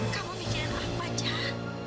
kamu mikir apa icah